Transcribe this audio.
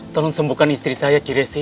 tolong sembuhkan istri saya kiresi